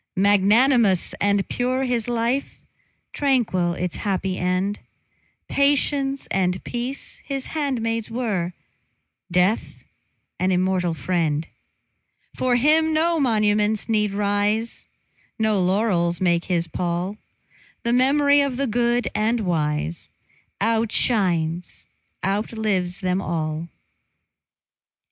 Magnanimous and pure his life, Tranquil its happy end; Patience and peace his handmaids were, Death an immortal friend. For him no monuments need rise, No laurels make his pall; The mem'ry of the good and wise Outshines, outlives them all.